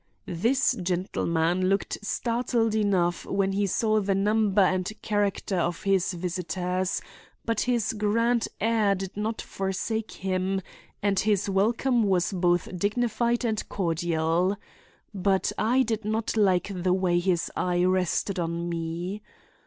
This gentleman looked startled enough when he saw the number and character of his visitors; but his grand air did not forsake him and his welcome was both dignified and cordial. But I did not like the way his eye rested on me.